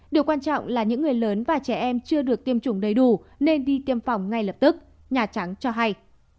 điều quan trọng là những người lớn và trẻ em chưa được tiêm chủng đầy đủ nên đi tiêm phòng ngay lập tức nhà trắng cho hay